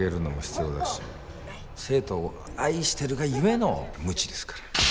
生徒を愛してるがゆえのムチですから。